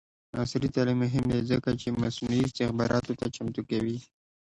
عصري تعلیم مهم دی ځکه چې مصنوعي استخباراتو ته چمتو کوي.